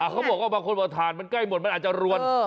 เขาบอกว่าบางคนบอกถ่านมันใกล้หมดมันอาจจะรวน